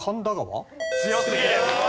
強すぎる。